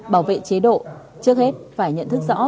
bảo vệ chế độ trước hết phải nhận thức rõ